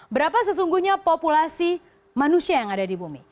berapa sesungguhnya populasi manusia yang ada di bumi